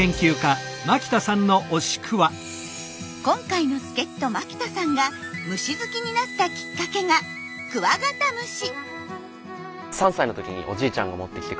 今回の助っ人牧田さんが虫好きになったきっかけがクワガタムシ。